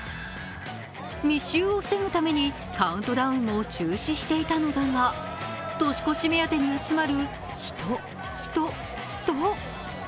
密集を防ぐためにカウントダウンも中止していたのだが年越し目当てに集まる、人、人、人！